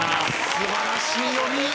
素晴らしい読み。